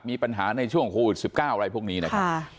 มีปัญหาในช่วงโควิด๑๙อะไรพวกนี้นะครับ